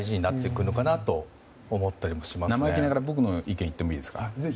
生意気ながら僕の意見を言ってもいいですか。